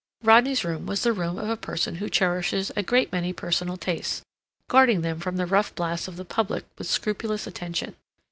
Rodney's room was the room of a person who cherishes a great many personal tastes, guarding them from the rough blasts of the public with scrupulous attention.